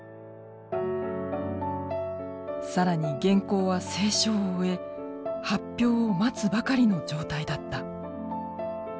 更に原稿は清書を終え発表を待つばかりの状態だった。